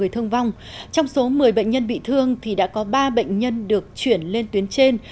trong số một mươi bệnh nhân bị thương thì đã có ba bệnh nhân được chuyển lên tuyến trên